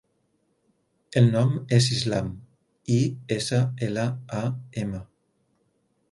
El nom és Islam: i, essa, ela, a, ema.